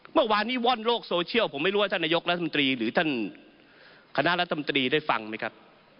เมื่อวานนี้ว่อนโลกโซเชียลผมไม่รู้ว่าท่านนายกรัฐมนตรีหรือท่านคณะรัฐมนตรีได้ฟังไหมครับ